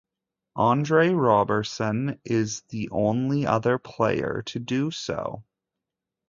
Andre Roberson is the only other player to do so.